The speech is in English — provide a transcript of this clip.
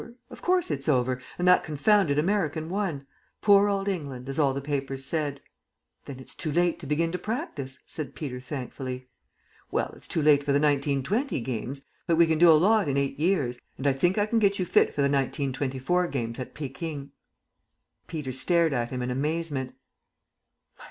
Of course it's over, and that confounded American won. 'Poor old England,' as all the papers said." "Then it's too late to begin to practise," said Peter thankfully. "Well, it's too late for the 1920 games. But we can do a lot in eight years, and I think I can get you fit for the 1924 games at Pekin." Peter stared at him in amazement.